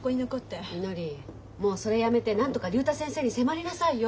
みのりもうそれやめてなんとか竜太先生に迫りなさいよ。